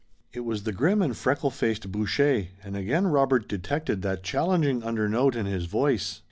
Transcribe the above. It was the grim and freckle faced Boucher, and again Robert detected that challenging under note in his voice.